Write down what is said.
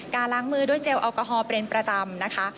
ล้างมือด้วยเจลแอลกอฮอล์เป็นประจำนะคะ